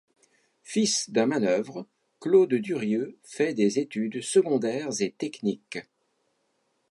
Fils d’un manœuvre, Claude Durieux fait des études secondaires et techniques.